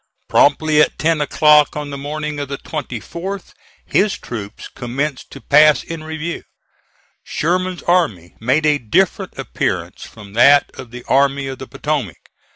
Promptly at ten o'clock on the morning of the 24th, his troops commenced to pass in review. Sherman's army made a different appearance from that of the Army of the Potomac.